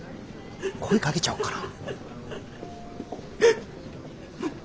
声かけちゃおうかな。